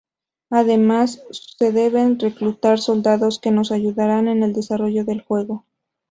Además, se deben reclutar soldados que nos ayudarán en el desarrollo del juego.